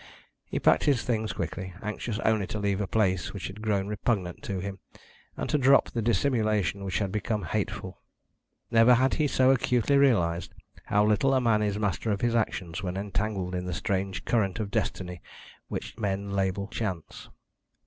He packed his things quickly, anxious only to leave a place which had grown repugnant to him, and to drop the dissimulation which had become hateful. Never had he so acutely realised how little a man is master of his actions when entangled in the strange current of Destiny which men label Chance.